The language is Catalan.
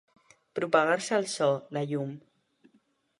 Propagar-se el so, la llum.